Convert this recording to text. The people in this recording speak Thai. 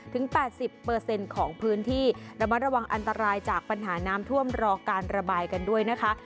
ถึงแปดสิบเปอร์เซ็นต์ของพื้นที่ระมัดระวังอันตรายจากปัญหาน้ำท่วมรอการระบายกันด้วยนะคะ